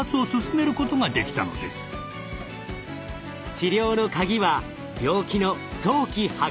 治療のカギは病気の早期発見。